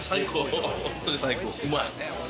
うまい！